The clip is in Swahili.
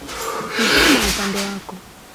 Tizama upande wako